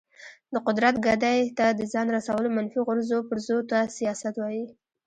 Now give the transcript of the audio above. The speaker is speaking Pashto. د قدرت ګدۍ ته د ځان رسولو منفي غورځو پرځو ته سیاست وایي.